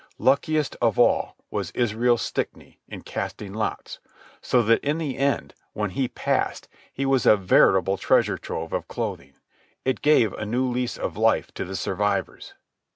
Luckiest of all was Israel Stickney in casting lots, so that in the end, when he passed, he was a veritable treasure trove of clothing. It gave a new lease of life to the survivors.